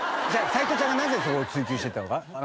斎藤ちゃんがなぜそこを追及していったのか。